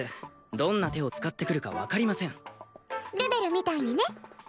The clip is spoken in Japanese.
どんな手を使ってくるか分かりませんルベルみたいにね